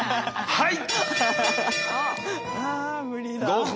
はい。